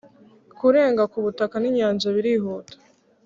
kurenga kubutaka ninyanja birihuta